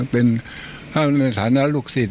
เป็นฐานนะลูกศิษย์